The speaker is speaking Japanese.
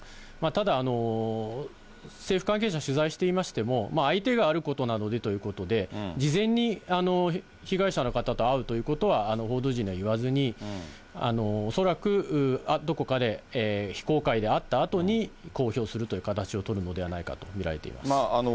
ただ、政府関係者取材していましても、相手があることなのでということで、事前に被害者の方と会うということは報道陣には言わずに、恐らくどこかで非公開で会ったあとに公表するという形を取るのではないかと見られています。